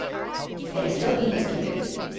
It is still being disputed.